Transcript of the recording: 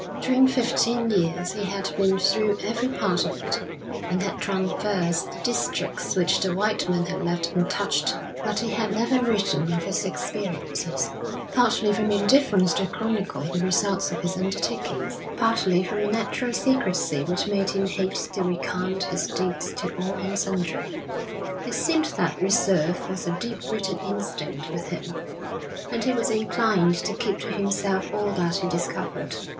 During fifteen years he had been through every part of it, and had traversed districts which the white man had left untouched. But he had never written of his experiences, partly from indifference to chronicle the results of his undertakings, partly from a natural secrecy which made him hate to recount his deeds to all and sundry. It seemed that reserve was a deep rooted instinct with him, and he was inclined to keep to himself all that he discovered.